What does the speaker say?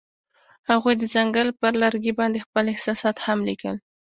هغوی د ځنګل پر لرګي باندې خپل احساسات هم لیکل.